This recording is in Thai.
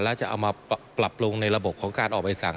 แล้วจะเอามาปรับปรุงในระบบของการออกใบสั่ง